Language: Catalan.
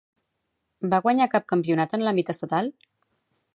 Va guanyar cap campionat en l'àmbit estatal?